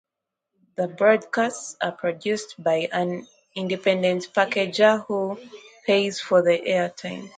The broadcasts are produced by an independent packager who pays for the airtime.